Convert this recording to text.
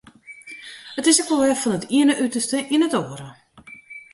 It is ek wol wer fan it iene uterste yn it oare.